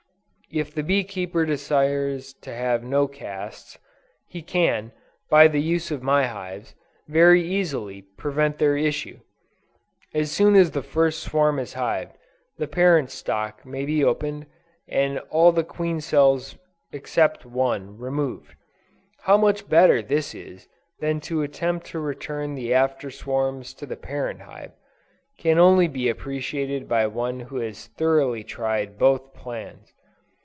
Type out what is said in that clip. If the bee keeper desires to have no casts, he can, by the use of my hives, very easily, prevent their issue. As soon as the first swarm is hived, the parent stock may be opened, and all the queen cells except one removed. How much better this is, than to attempt to return the after swarms to the parent hive, can only be appreciated by one who has thoroughly tried both plans.